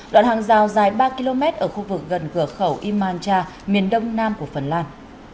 đoạn hàng rào dài ba km ở khu vực gần cửa khẩu imancha miền đông nam của phần lan